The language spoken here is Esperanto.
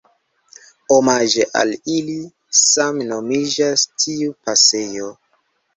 Omaĝe al ili same nomiĝas tiu pasejo.